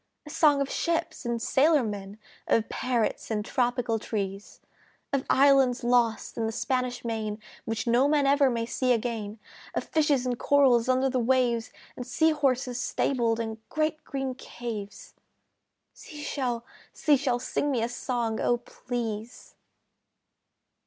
A song of ships and sailor men, Of parrots and tropical trees; Of islands lost in the Spanish Main Which no man ever may see again, Of fishes and corals under the waves, And sea horses stabled in great green caves Sea Shell, Sea Shell, Sing me a song, O please!